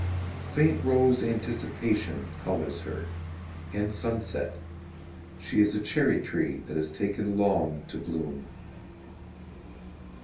Faint rose anticipation colours her, And sunset; She is a cherry tree that has taken long to bloom.